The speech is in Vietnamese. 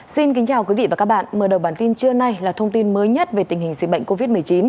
xin kính chào quý vị và các bạn mở đầu bản tin trưa nay là thông tin mới nhất về tình hình dịch bệnh covid một mươi chín